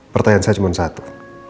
pertanyaan saya cuma satu